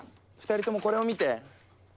２人ともこれを見て！